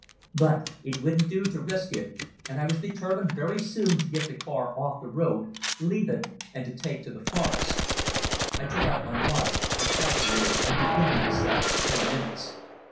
But it wouldn't do to risk it, and I was determined very soon to get the car off the road, leave it, and take to the forest. I took out my watch and calculated I could give myself ten minutes.